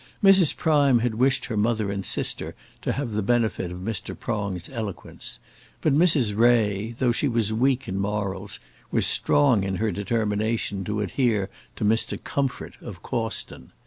Mrs. Prime had wished her mother and sister to have the benefit of Mr. Prong's eloquence; but Mrs. Ray, though she was weak in morals, was strong in her determination to adhere to Mr. Comfort of Cawston.